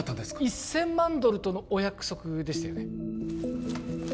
１千万ドルとのお約束でしたよね？